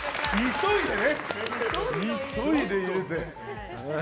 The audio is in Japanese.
急いで入れて。